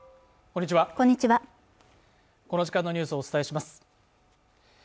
こんにちはこの時間のニュースをお伝えします。